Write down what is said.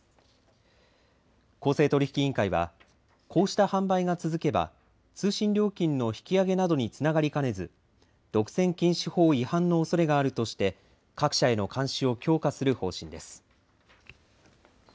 公正取引委員会は、こうした販売が続けば、通信料金の引き上げなどにつながりかねず、独占禁止法違反のおそれがあるとして、各社への監視を強化する方針です。